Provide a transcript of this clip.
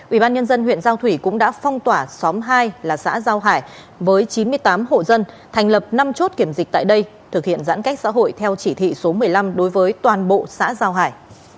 ubnd huyện giao thủy cũng đã phong tỏa xóm hai là xã giao hải với chín mươi tám hộ dân thành lập năm chốt kiểm dịch tại đây thực hiện giãn cách xã hội theo chỉ thị số một mươi năm đối với toàn bộ xã giao hải